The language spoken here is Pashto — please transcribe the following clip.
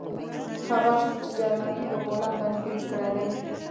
خبر شوو چې جرمني په پولنډ باندې برید کړی دی